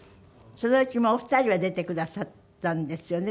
そのうちお二人は出てくださったんですよね